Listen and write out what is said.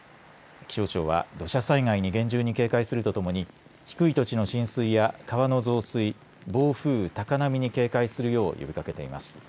気象庁は土砂災害に厳重に警戒するとともに低い土地の浸水や川の増水暴風、高波に警戒するよう呼びかけています。